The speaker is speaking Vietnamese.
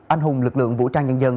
anh hùng lực lượng vũ trang nhân dân